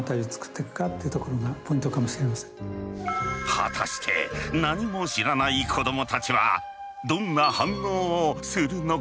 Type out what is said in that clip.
果たして何も知らない子どもたちはどんな反応をするのか？